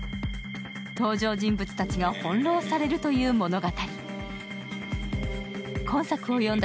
登場人物たちが翻弄されるという物語。